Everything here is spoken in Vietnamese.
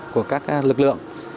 của các lực lượng